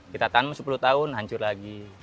kita tanam sepuluh tahun hancur lagi